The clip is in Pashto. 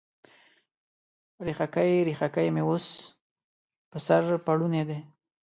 ریښکۍ، ریښکۍ مې اوس، په سر پوړني دی